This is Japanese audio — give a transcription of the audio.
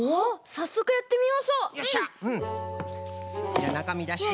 じゃなかみだして。